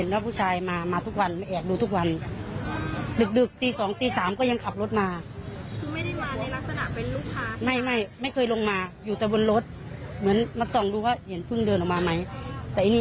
ลุงก็ไม่ได้คิดว่าเขาจะเป็นขนาดนี้